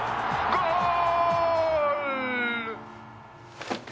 「ゴール！」